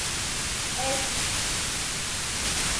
Әйҙә...